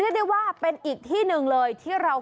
เรียกได้ว่าเป็นอีกอีกที่หนึ่งเลยที่เรา